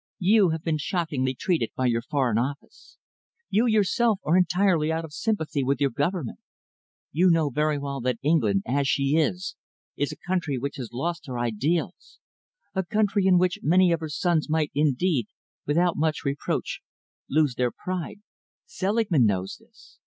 You have been shockingly treated by your Foreign Office. You yourself are entirely out of sympathy with your Government. You know very well that England, as she is, is a country which has lost her ideals, a country in which many of her sons might indeed, without much reproach, lose their pride, Selingman knows this.